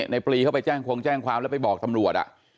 ปรีเข้าไปแจ้งคงแจ้งความแล้วไปบอกตำรวจ